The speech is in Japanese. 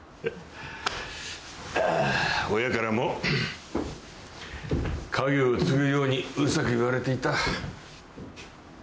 親からも家業を継ぐようにうるさく言われていた。